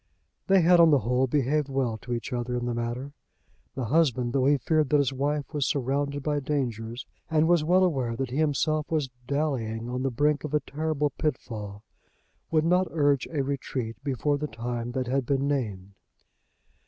They had on the whole behaved well to each other in the matter. The husband, though he feared that his wife was surrounded by dangers, and was well aware that he himself was dallying on the brink of a terrible pitfall, would not urge a retreat before the time that had been named.